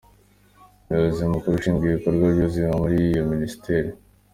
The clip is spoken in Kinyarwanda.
Umuyobozi mukuru ushinzwe ibikorwa by’ubuzima muri iyo Minisiteri,